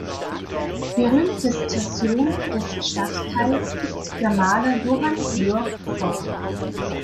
Berühmtester Sohn des Stadtteils ist der Maler Johann Georg Pforr.